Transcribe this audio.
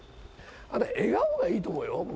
笑顔がいいと思うよ、僕は。